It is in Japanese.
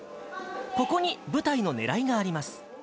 ここに舞台のねらいがあります。